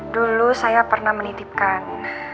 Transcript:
dulu saya pernah menitipkan